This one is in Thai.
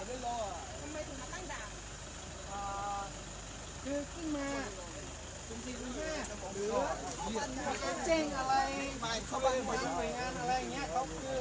ทำไมถึงมาตั้งด่าอ่าคือขึ้นมาหรืออะไรอะไรอย่างเงี้ยเขาคือ